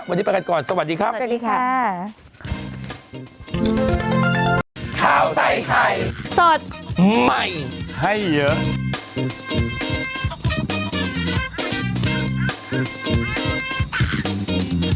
วันนี้ประกันก่อนสวัสดีครับ